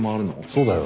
そうだよ。